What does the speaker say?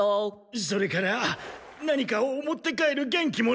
それから何かを持って帰る元気もない。